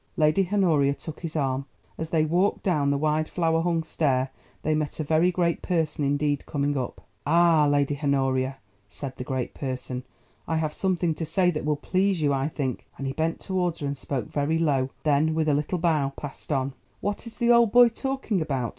Lady Honoria took his arm. As they walked down the wide flower hung stair they met a very great Person indeed, coming up. "Ah, Lady Honoria," said the great Person, "I have something to say that will please you, I think," and he bent towards her, and spoke very low, then, with a little bow, passed on. "What is the old boy talking about?"